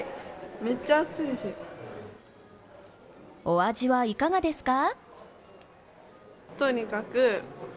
お味はいかがですか？